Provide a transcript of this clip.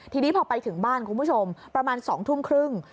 ทีนี้พอไปถึงบ้านคุณผู้ชมประมาณ๒ทุ่มครึ่ง